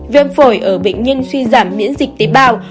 viêm phổi ở bệnh nhân suy giảm miễn dịch tế bào